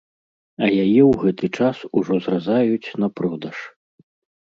А яе ў гэты час ужо зразаюць на продаж!